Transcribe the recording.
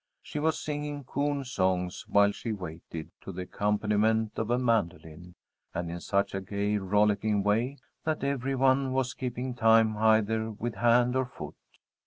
She was singing coon songs while she waited, to the accompaniment of a mandolin, and in such a gay, rollicking way, that every one was keeping time either with hand or foot.